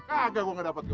kagak gue gak dapat cium